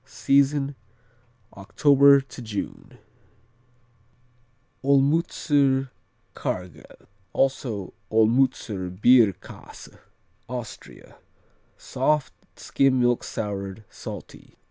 Season, October to June. Olmützer Quargel, also Olmützer Bierkäse Austria Soft; skim milk soured; salty.